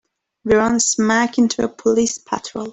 We run smack into a police patrol.